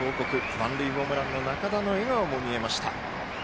満塁ホームランの仲田の笑顔も見えました。